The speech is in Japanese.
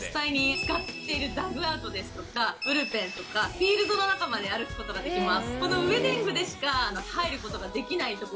大谷選手が実際に使っているダッグアウトですとか、ブルペンですとか、フィールドの中まで歩くことができます。